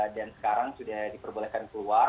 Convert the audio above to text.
dan sekarang sudah diperbolehkan keluar